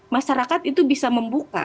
masyarakat itu bisa membuka